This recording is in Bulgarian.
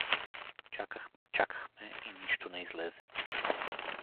Чакахме, чакахме и нищо не излезе.